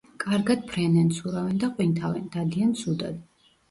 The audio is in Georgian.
კარგად ფრენენ, ცურავენ და ყვინთავენ; დადიან ცუდად.